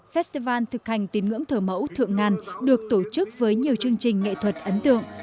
festival thực hành tín ngưỡng thờ mẫu thượng ngàn được tổ chức với nhiều chương trình nghệ thuật ấn tượng